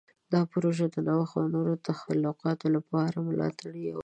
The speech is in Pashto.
دا پروژه د نوښت او نوو تخلیقاتو لپاره د ملاتړ یوه لاره ده.